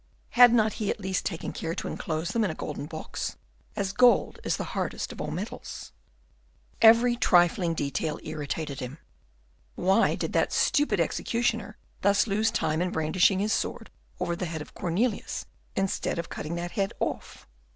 had not he at least taken care to enclose them in a golden box, as gold is the hardest of all metals? Every trifling delay irritated him. Why did that stupid executioner thus lose time in brandishing his sword over the head of Cornelius, instead of cutting that head off?